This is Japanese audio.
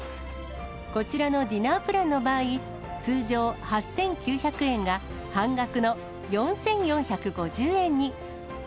こちらのディナープランの場合、通常８９００円が、半額の４４５０円に。